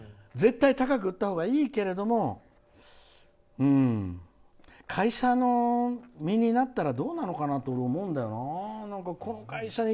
絶対売った方がいいけれども会社の身になったらどうなのかなって俺、思うんだよな。